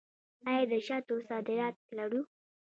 آیا د شاتو صادرات لرو؟